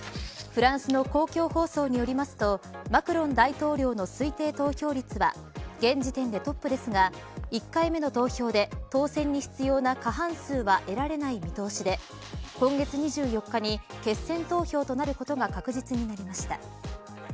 フランスの公共放送によりますとマクロン大統領の推定投票率は現時点でトップですが１回目の投票で当選に必要な過半数は得られない見通しで今月２４日に決選投票となることが確実になりました。